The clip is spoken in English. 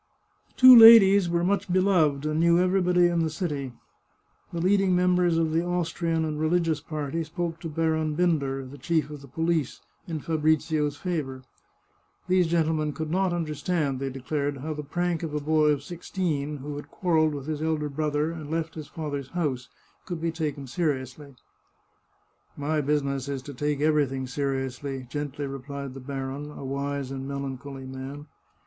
The two ladies were much beloved, and knew everybody in the city. The leading members of the Austrian and re ligious party spoke to Baron Binder, the chief of the police, in Fabrizio's favour. These gentlemen could not under stand, they declared, how the prank of a boy of sixteen, who had quarrelled with his elder brother and left his father's house, could be taken seriously. " My business is to take everything seriously," gently replied the baron, a wise and melancholy man.